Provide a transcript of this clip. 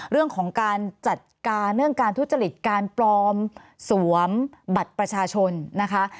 เรื่องของการจัดการเรื่องการทุจริตการปลอมสวมบัตรประชาชนนะคะ